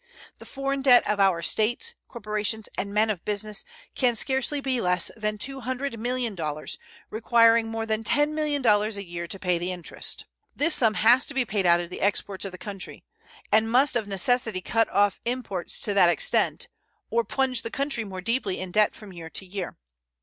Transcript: The foreign debt of our States, corporations, and men of business can scarcely be less than $200,000,000, requiring more than $10,000,000 a year to pay the interest. This sum has to be paid out of the exports of the country, and must of necessity cut off imports to that extent or plunge the country more deeply in debt from year to year.